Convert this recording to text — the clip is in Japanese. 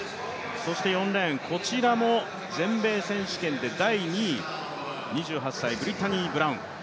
４レーン、こちらも全米選手権で第２位、２８歳、ブリッタニー・ブラウン。